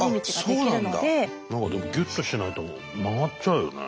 何かでもギュッとしないと曲がっちゃうよね？